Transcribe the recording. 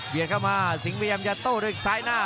เข้ามาสิงห์พยายามจะโต้ด้วยซ้ายหน้า